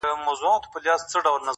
o هر څه بې معنا ښکاري ډېر,